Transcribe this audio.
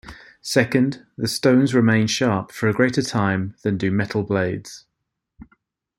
Second, the stones remain sharp for a greater time than do metal blades.